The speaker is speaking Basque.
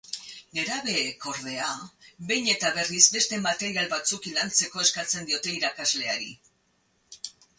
Nerabeek, ordea, behin eta berriz beste material batzuk lantzeko eskatzen diote irakasleari.